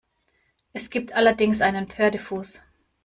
Es gibt allerdings einen Pferdefuß.